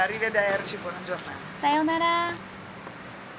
さようなら。